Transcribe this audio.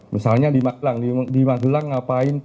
misalnya di madelang di madelang ngapain